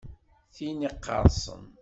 Tin iqqerṣen.